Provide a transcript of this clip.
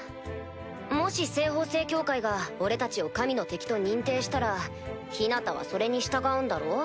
もし西方聖教会が俺たちを神の敵と認定したらヒナタはそれに従うんだろ？